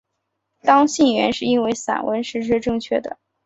当信源是英文散文时这是正确的。